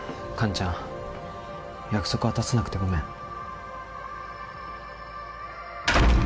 カンちゃん約束果たせなくてごめん。